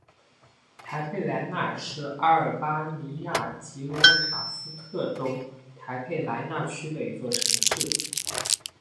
台佩莱纳是阿尔巴尼亚吉罗卡斯特州台佩莱纳区的一座城市。